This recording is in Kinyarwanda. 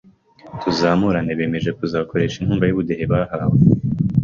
Tuzamurane bemeje kuzakoresha inkunga y’ubudehe bahawe?